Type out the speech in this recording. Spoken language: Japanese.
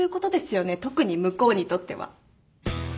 特に向こうにとっては。